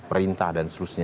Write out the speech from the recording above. perintah dan selusnya